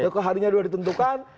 keharinya sudah ditentukan